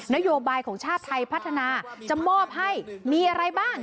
นโยบายของชาติไทยพัฒนาจะมอบให้มีอะไรบ้าง